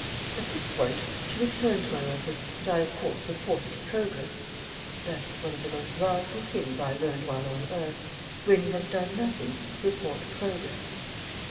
At this point she returned to my office, and I of course reported progress. That is one of the most valuable things I learned while on earth when you have done nothing, report progress.